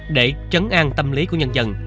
để trấn an tâm lý của nhân dân